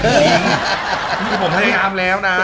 ผมพยายามแล้วนะ